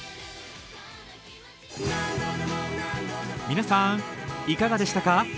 皆さんいかがでしたか？